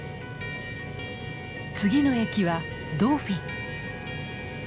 次の駅はドーフィン。